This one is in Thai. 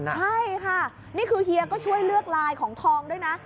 ใช่ค่ะนี่คือเฮียก็ช่วยเลือกลายของทองด้วยนะ